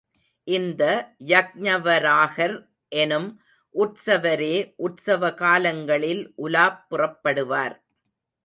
இந்த யக்ஞவராகர் எனும் உற்சவரே உற்சவ காலங்களில் உலாப் புறப்படுவார்.